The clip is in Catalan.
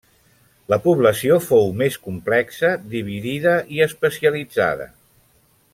La població fou més complexa, dividida i especialitzada.